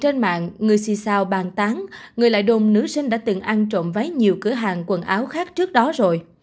trên mạng người xì sao bàn tán người lại đồn nữ sinh đã từng ăn trộm váy nhiều cửa hàng quần áo khác trước đó rồi